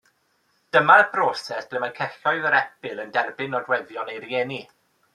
Dyma'r broses ble mae celloedd yr epil yn derbyn nodweddion ei rieni.